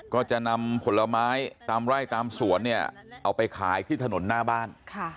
ก็จะนำผลไม้ตามไร่ตามสวนเนี่ยเอาไปขายที่ถนนหน้าบ้าน